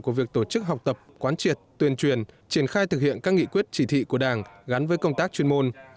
của việc tổ chức học tập quán triệt tuyên truyền triển khai thực hiện các nghị quyết chỉ thị của đảng gắn với công tác chuyên môn